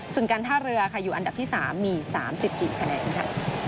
ส่วนการท่าเรือขาย่วยอันดับที่สามมีสามสิบสี่คะแนนค่ะ